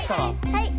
はい。